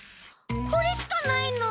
これしかないの？